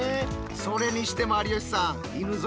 それにしても有吉さん